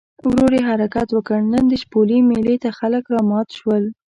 ورو یې حرکت وکړ، نن د شپولې مېلې ته خلک رامات شول.